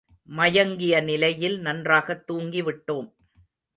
மயங்கிய நிலையில் நன்றாகத் தூங்கி விட்டோம்.